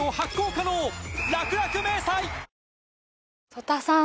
曽田さん